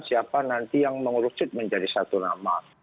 siapa nanti yang mengurucut menjadi satu nama